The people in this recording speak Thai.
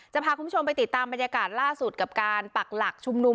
จะพาคุณผู้ชมไปติดตามบรรยากาศล่าสุดกับการปักหลักชุมนุม